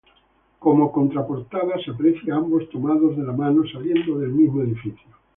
Como contraportada, se aprecia a ambos tomados de la mano saliendo del mismo edificio.